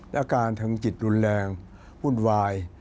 อาการทางจิตรุนแรงวุ่นวาย